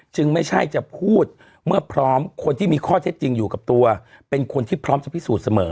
ไม่ใช่จะพูดเมื่อพร้อมคนที่มีข้อเท็จจริงอยู่กับตัวเป็นคนที่พร้อมจะพิสูจน์เสมอ